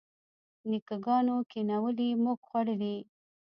نیکه ګانو کینولي موږ خوړلي.